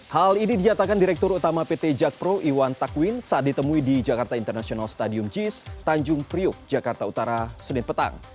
hal ini diatakan direktur utama pt jakpro iwan takwin saat ditemui di jakarta international stadium jis tanjung priuk jakarta utara senin petang